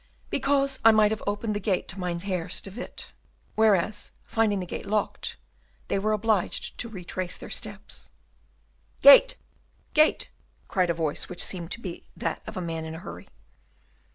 "Because I might have opened the gate to Mynheers de Witt; whereas, finding the gate locked, they were obliged to retrace their steps." "Gate! gate!" cried a voice which seemed to be that of a man in a hurry.